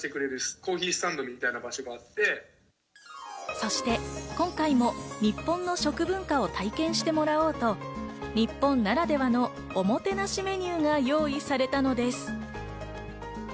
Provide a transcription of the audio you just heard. そして今回も日本の食文化を体験してもらおうと、日本ならではのおもてなしメニューが用意されたのです。